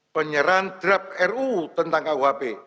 penyerahan draft ruu tentang kuhp